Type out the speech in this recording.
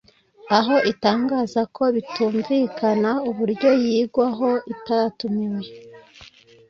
aho itangaza ko bitumvikana uburyo yigwaho itatumiwe